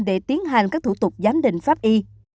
để tiến hành các thủ tục giám định pháp y